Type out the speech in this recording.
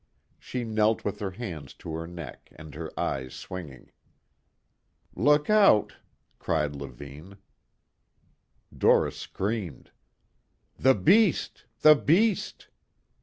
She knelt with her hands to her neck and her eyes swinging. "Look out!" cried Levine. Doris screamed. "The beast ... the beast!"